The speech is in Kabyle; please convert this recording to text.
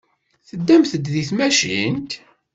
Teddamt-d deg tmacint?